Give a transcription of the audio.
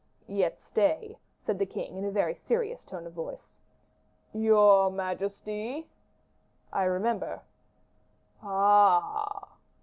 "Yet, stay," said the king, in a very serious tone of voice. "Your majesty?" "I remember." "Ah!"